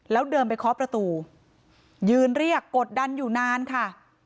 แล้วเดินไปเคาะประตูยืนเรียกกดดันอยู่นานค่ะ